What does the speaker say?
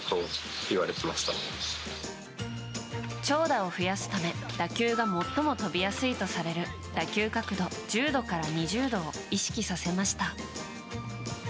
長打を増やすため打球が最も飛びやすいとされる打球角度１０度から２０度を意識させました。